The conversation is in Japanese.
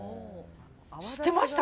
知ってました？